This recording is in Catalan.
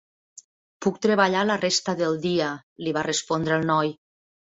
"Puc treballar la resta del dia", li va respondre el noi.